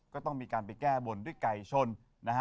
ก็ต้องมีการไปแก้บนด้วยไก่ชนนะฮะ